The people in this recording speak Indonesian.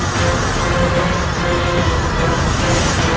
jangan sampai kau menyesal sudah menentangku